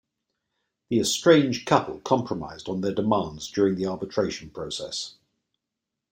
The estranged couple compromised on their demands during the arbitration process.